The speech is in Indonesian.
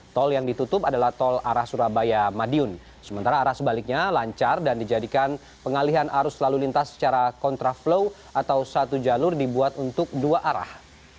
tol yang ditutup adalah tol arah surabaya madiun sementara arah sebaliknya lancar dan dijadikan pengalihan arus lalu lintas secara kontraflow atau satu jalur dibuat untuk dua arah